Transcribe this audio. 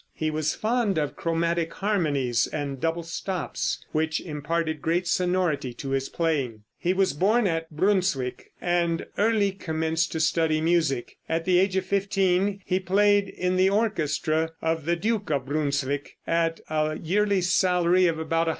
He was fond of chromatic harmonies and double stops, which imparted great sonority to his playing. He was born at Brunswick, and early commenced to study music. At the age of fifteen he played in the orchestra of the duke of Brunswick, at a yearly salary of about $100.